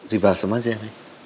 dibalasin aja i